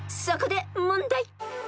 ［そこで問題！］